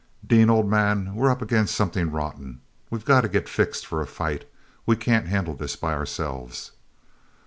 Dean, old man, we're up against something rotten. We've got to get fixed for a fight; we can't handle this by ourselves."